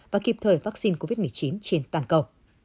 và kịp thời vaccine covid một mươi chín trên toàn cầu